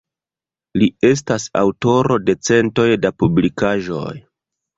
Li estas aŭtoro de centoj da publikaĵoj.